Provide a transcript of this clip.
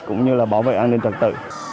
cũng như là bảo vệ an ninh thực tế